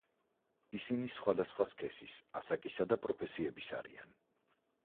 ისინი სხვადასხვა სქესის, ასაკისა და პროფესიების არიან.